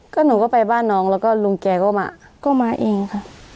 ก็หนูก็ไปบ้านน้องแล้วก็ลุงแกก็มาก็มาเองค่ะ